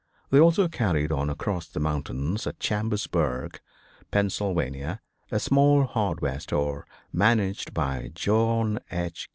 They also carried on across the mountains at Chambersburg, Pennsylvania, a small hardware store managed by John H.